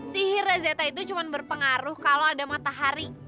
sihir rezeta itu cuma berpengaruh kalau ada matahari